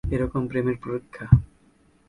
একরকম প্রেমের পরীক্ষা।